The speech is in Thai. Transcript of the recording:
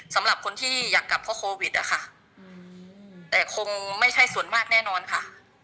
สำหรับคนที่อยากกลับเพราะโควิดอะค่ะแต่คงไม่ใช่ส่วนมากแน่นอนค่ะ